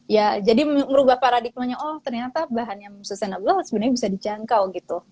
ya jadi merubah paradigmanya oh ternyata bahan yang sustainable sebenarnya bisa dijangkau gitu